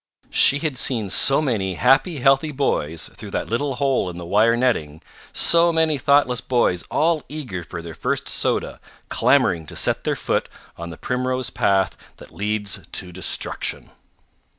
She had seen so many happy, healthy boys through that little hole in the wire netting, so many thoughtless boys all eager for their first soda, clamoring to set their foot on the primrose path that leads to destruction.